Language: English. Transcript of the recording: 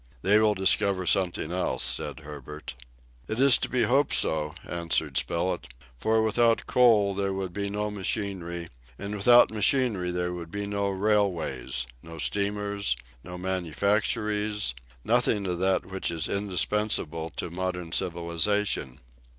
"They will discover something else," said Herbert. "It is to be hoped so," answered Spilett, "for without coal there would be no machinery, and without machinery there would be no railways, no steamers, no manufactories, nothing of that which is indispensable to modern civilization!"